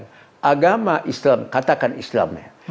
dengan islam katakan islamnya